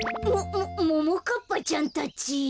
もももかっぱちゃんたち。